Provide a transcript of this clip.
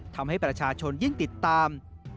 ทำให้ประชาชนยิ่งติดตาม